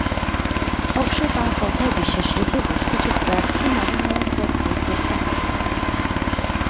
অবশ্য তাঁর কথায় বিশ্বাস রেখে বেশ কিছু প্রার্থী মনোনয়নপত্র প্রত্যাহার করে নিয়েছিলেন।